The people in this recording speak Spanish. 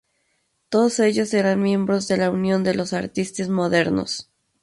Todos ellos eran miembros de la Union des Artistes Modernes.